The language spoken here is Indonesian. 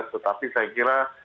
tetapi saya kira